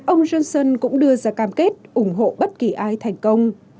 ông johnson cũng đưa ra cam kết ủng hộ bất kỳ ai thành công